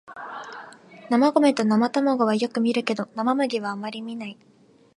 生米と生卵はよく見るけど生麦はあまり見ない